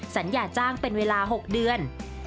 สัญญาจ้างเป็นเวลา๖เดือน